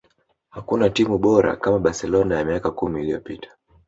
hakuna timu bora kama barcelona ya miaka kumi iliyopita